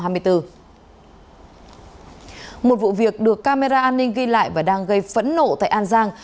một vụ việc được camera an ninh ghi lại và đang gây phẫn nộ tại an giang